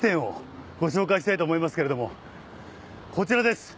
こちらです。